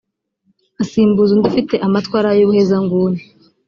asimbuzwa undi ufite amatwara y’ubuhezanguni